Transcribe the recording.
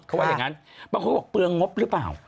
เขาว่าอย่างนั้นบางคนก็บอกเปลืองงบหรือเปล่า